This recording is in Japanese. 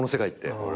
ほら！